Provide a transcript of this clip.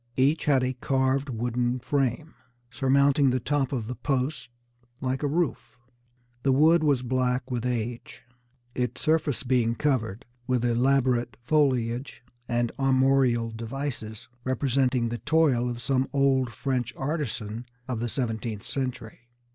Each had a carved wooden frame, surmounting the top of the posts like a roof. The wood was black with age, its surface being covered with elaborate foliage and armorial devices, representing the toil of some old French artisan of the seventeenth century.